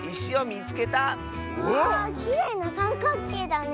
わあきれいなさんかっけいだね。